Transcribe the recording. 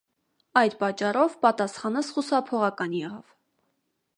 Այդ պատճառով պատասխանս խուսափողական եղավ: